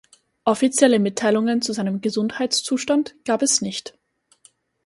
Offizielle Mitteilungen zu seinem Gesundheitszustand gab es nicht.